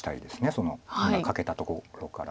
その今カケたところから。